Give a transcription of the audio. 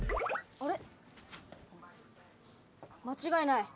あれ？